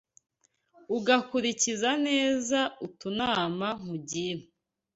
Ugakulikiza neza Utunama nkugira!